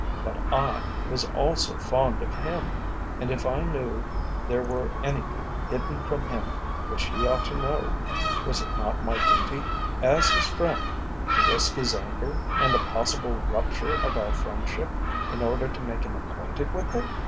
But I was also fond of him, and if I knew there were anything hidden from him which he ought to know, was it not my duty, as his friend, to risk his anger, and the possible rupture of our friendship, in order to make him acquainted with it?